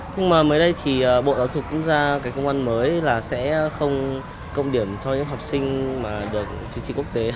nhưng mà mới đây thì bộ giáo dục cũng ra cái công an mới là sẽ không cộng điểm cho những học sinh mà được chứng chỉ quốc tế